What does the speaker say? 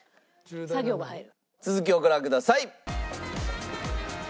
続きをご覧ください。